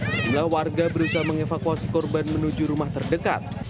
sejumlah warga berusaha mengevakuasi korban menuju rumah terdekat